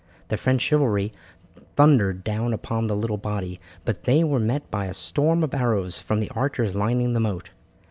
The French chivalry thundered down upon the little body, but were met by a storm of arrows from the archers lining the moat.